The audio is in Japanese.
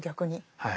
はい。